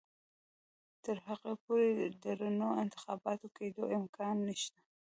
تر هغو پورې د رڼو انتخاباتو کېدو امکان نشته.